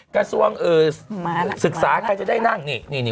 กระทรวงเอ่อมาศึกษาใครจะได้นั่งนี่นี่นี่